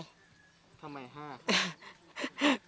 ทำไมห้า